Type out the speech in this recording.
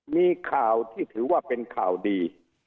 มีข่าวที่ถือว่าเป็นข่าวดี